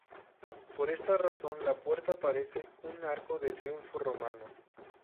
Por esta razón la puerta parece un arco de triunfo romano.